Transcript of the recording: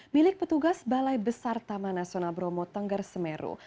milik petugas balai besar taman nasional bromo tengger semeru